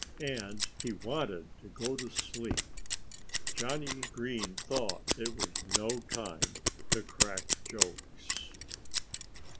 And he wanted to go to sleep. Johnnie Green thought it was no time to crack jokes.